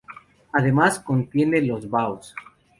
Además, contiene los baos.